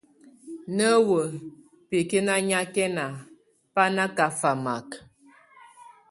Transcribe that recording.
Newek, bikie nányakɛn bá nakafamak.